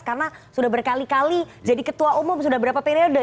karena sudah berkali kali jadi ketua umum sudah berapa periode